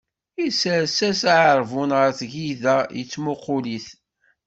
Isers-as-d aɛerbun ɣef tgida, yettmuqul-it.